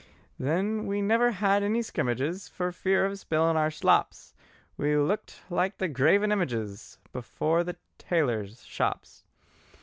Then we never had any scrimmages For fear of spilin' our slops: We looked like the graven images Before the tailors' shops.